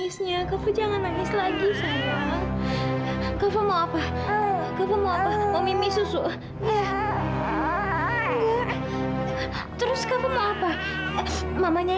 sampai jumpa di video selanjutnya